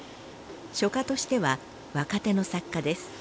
書家としては若手の作家です。